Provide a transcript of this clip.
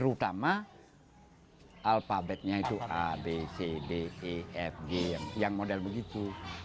utama alfabetnya itu a b c d e f g yang model begitu